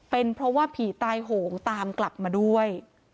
เป็นเพราะว่าผีตายโหงตามกลับมาด้วย